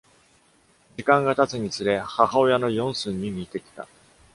時間が経つにつれ、母親のヨンスンに似てきた。